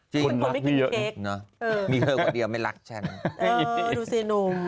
คนรักพี่เยอะนะมีเธอกว่าเดียวไม่รักใช่ไหมดูสินุ่ม